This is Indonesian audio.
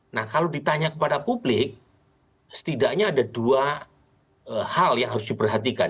nah kalau ditanya kepada publik setidaknya ada dua hal yang harus diperhatikan